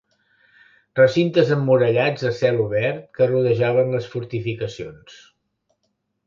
Recintes emmurallats a cel obert que rodejaven les fortificacions.